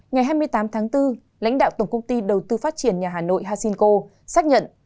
ngày hai mươi tám tháng bốn lãnh đạo tổng công ty đầu tư phát triển nhà hà nội hassanco xác nhận